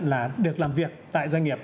là được làm việc tại doanh nghiệp